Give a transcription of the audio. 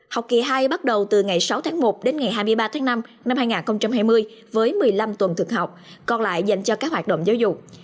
học kỳ hai bắt đầu từ ngày sáu tháng một đến ngày hai mươi ba tháng năm năm hai nghìn hai mươi với một mươi năm tuần thực học còn lại dành cho các hoạt động giáo dục